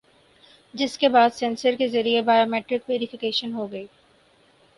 جس کے بعد سینسر کے ذریعے بائیو میٹرک ویری فیکیشن ہوگی